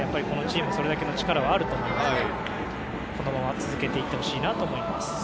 このチームそれだけの力はあると思うのでこのまま続けていってほしいなと思います。